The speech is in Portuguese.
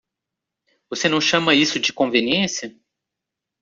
Você não chama isso de conveniência!